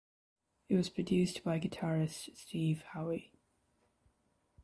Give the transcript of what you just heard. It was produced by guitarist Steve Howe.